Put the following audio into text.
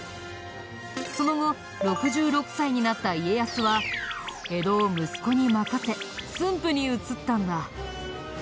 その後６６歳になった家康は江戸を息子に任せ駿府に移ったんだ。